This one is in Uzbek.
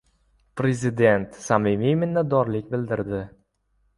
Prezident samimiy minnatdorlik bildirdi